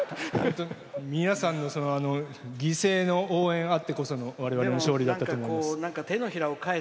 皆さんの犠牲の応援あってこその我々の勝利だったと思います。